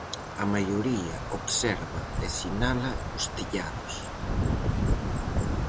A maioría observa e sinala os tellados.